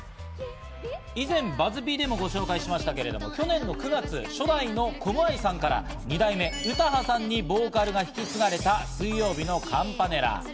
以前、ＢＵＺＺ−Ｐでもご紹介しましたけれど、去年の９月、初代のコムアイさんから２代目・詩羽さんにボーカルが引き継がれた水曜日のカンパネラ。